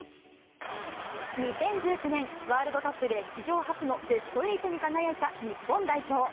２０１９年、ワールドカップで史上初のベスト８に輝いた日本代表。